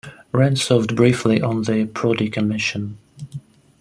Rehn served briefly on the Prodi Commission.